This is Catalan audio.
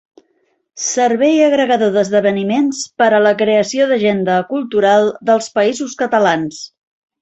Servei agregador d'esdeveniments per a la creació d'agenda cultural dels Països Catalans.